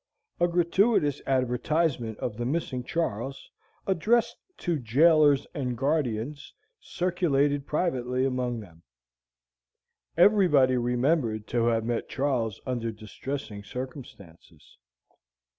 A gratuitous advertisement of the missing Charles, addressed to "Jailers and Guardians," circulated privately among them; everybody remembered to have met Charles under distressing circumstances.